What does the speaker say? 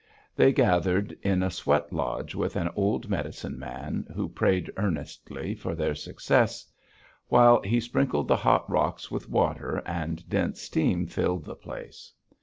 They gathered in a sweat lodge with an old medicine man, who prayed earnestly for their success while he sprinkled the hot rocks with water, and dense steam filled the place.